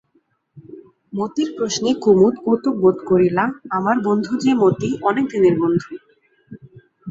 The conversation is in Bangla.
মতির প্রশ্নে কুমুদ কৌতুক বোধ করিলা আমার বন্ধু যে মতি, অনেক দিনের বন্ধু।